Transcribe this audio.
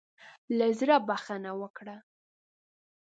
له زړۀ بخښنه وکړه.